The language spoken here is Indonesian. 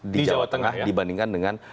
di jawa tengah dibandingkan dengan